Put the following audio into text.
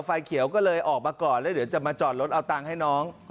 ไฟเขียวก็เลยออกมาก่อนแล้วเดี๋ยวจะมาจอดรถเอาตังค์ให้น้อง